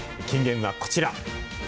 金言はこちら。